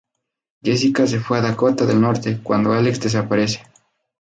Jessica se fue a Dakota del Norte cuando Alex desaparece.